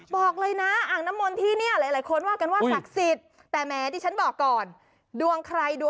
บอกเลยนะอ่างน้ำมนต์ที่นี้หลายคน่ากันว่าศักดิ์สิทธิ์